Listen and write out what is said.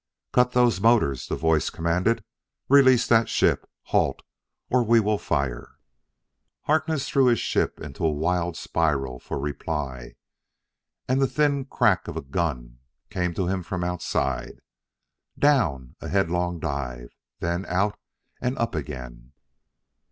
"Cut those motors!" the voice commanded. "Release that ship! Halt, or we will fire!" Harkness threw his ship into a wild spiral for reply, and the thin crack of guns came to him from outside. Down! A headlong dive! Then out and up again!